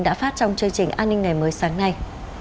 đã phát trong chương trình an ninh ngày mới sáng nay